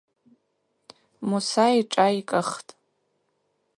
Муса йшӏа йкӏыхтӏ.